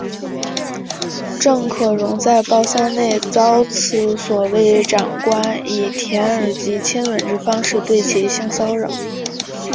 郑可荣在包厢内遭此所谓长官以舔耳及亲吻之方式对其性骚扰。